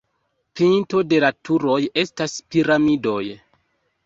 Pinto de la turoj estas piramidoj.